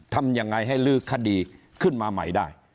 ทำยังไงให้ลื้อคดีขึ้นมาใหม่ได้